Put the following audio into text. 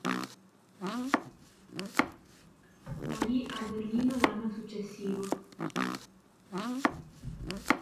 Morì a Berlino l'anno successivo.